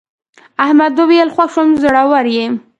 احمد وویل خوښ شوم زړور یې.